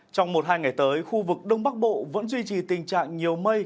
trong một hai ngày tới khu vực đông bắc bộ vẫn duy trì tình trạng nhiều mây